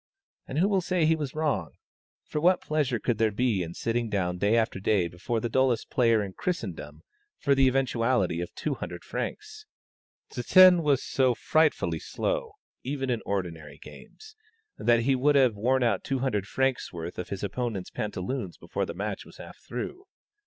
And who will say he was wrong? for what pleasure could there be in sitting down day after day before the dullest player in Christendom, for the eventuality of 200 francs? Zsen was so frightfully slow, even in ordinary games, that he would have worn out 200 francs' worth of his opponent's pantaloons before the match was half through.